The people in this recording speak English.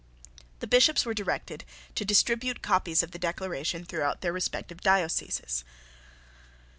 The Bishops were directed to distribute copies of the Declaration through their respective dioceses.